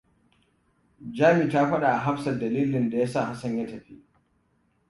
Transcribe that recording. Jami ta faɗawa Hafsat dalilin da ya sa Hassan ya tafi.